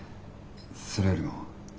それよりも。